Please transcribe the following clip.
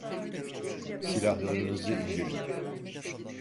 Silahlarınızı indirin.